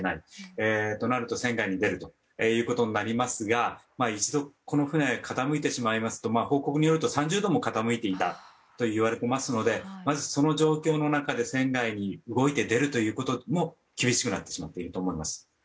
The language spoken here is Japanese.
そうなると船外に出ることになりますが一度この船は傾いてしまうと報告によると３０度も傾いていたということでしたのでその状況の中で船外に動いて出るということも厳しくなってしまっていると思います。